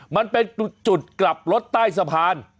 มันเป็นจุดกลับรถใต้สะพาน